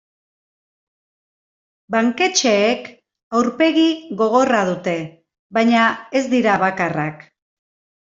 Banketxeek aurpegi gogorra dute baina ez dira bakarrak.